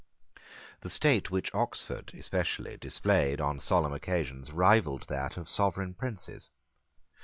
The state which Oxford especially displayed on solemn occasions rivalled that of sovereign princes.